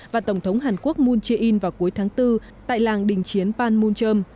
và tổng thống hàn quốc moon jae in vào cuối tháng bốn tại làng đình chiến panmunjom